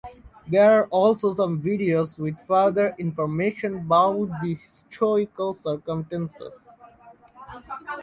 There are also some videos with further information about the historical circumstances.